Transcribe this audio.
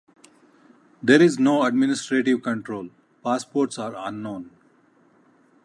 There is no administrative control; passports are unknown.